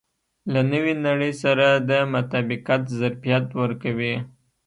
له نوې نړۍ سره د مطابقت ظرفیت ورکوي.